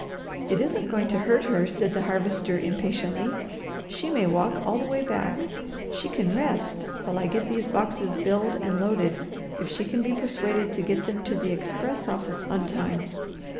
"It isn't going to hurt her," said the Harvester impatiently. "She may walk all the way back. She can rest while I get these boxes billed and loaded if she can be persuaded to get them to the express office on time.